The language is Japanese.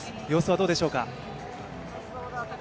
様子はどうでしょうか。